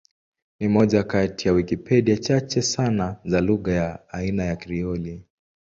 Ni moja kati ya Wikipedia chache sana za lugha ya aina ya Krioli.